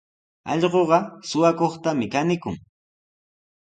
Allquqa suqakuqtami kanikun.